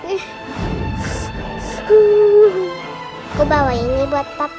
aku bawa ini buat papa